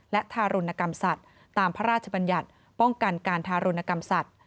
และทารุณกรรมสัตว์ตามพระราชบัญญัติป้องกันการทารุณกรรมสัตว์